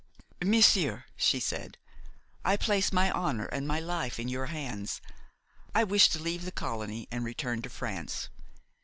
"Monsieur," she said, "I place my honor and my life in your hands. I wish to leave the colony and return to France.